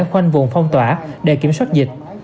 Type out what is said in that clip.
khoanh vùng phong tỏa để kiểm soát dịch